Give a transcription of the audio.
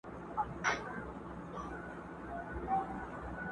له ستړتیا یې خوږېدی په نس کي سږی!.